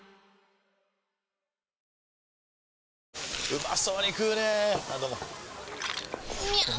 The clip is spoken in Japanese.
うまそうに食うねぇあどうもみゃう！！